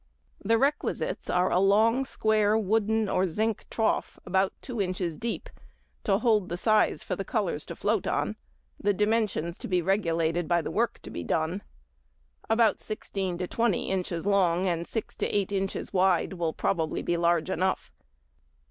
The requisites are a long square wooden or zinc trough about 2 inches deep to hold the size for the colours to float on; the dimensions to be regulated by the work to be done. About 16 to 20 inches long and 6 to 8 inches wide will probably be large enough.